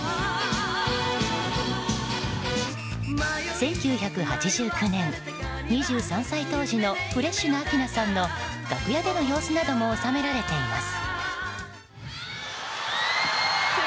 １９８９年、２３歳当時のフレッシュな明菜さんの楽屋での様子なども収められています。